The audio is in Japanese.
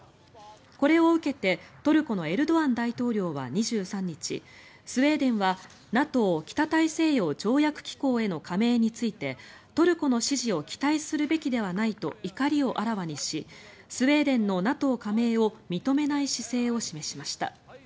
これを受けて、トルコのエルドアン大統領は２３日スウェーデンはＮＡＴＯ・北大西洋条約機構への加盟についてトルコの支持を期待するべきではないと怒りをあらわにしスウェーデンのＮＡＴＯ加盟を認めない姿勢を示しました。